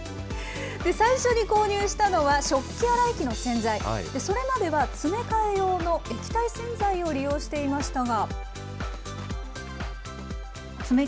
最初に購入したのは、食器洗い機の洗剤、それまでは詰め替え用の液体洗剤を利用していましたが。